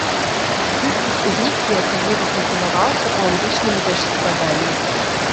Дыстых узнік і асабліва культываваўся ў антычным вершаскладанні.